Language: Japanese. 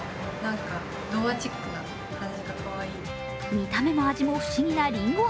見た目も味も不思議なりんご飴。